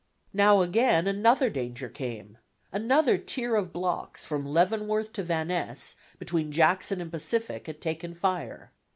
Now again another danger came. Another tier of blocks, from Leavenworth to Van Ness, between Jackson and Pacific, had taken fire.